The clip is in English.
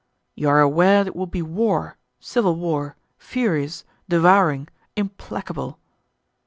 "You are aware it will be war, civil war, furious, devouring, implacable?"